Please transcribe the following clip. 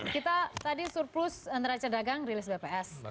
kita tadi surplus neraca dagang rilis bps